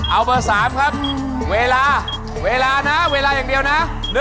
เอาเบอร์๓ครับเวลาเวลานะเวลาอย่างเดียวนะ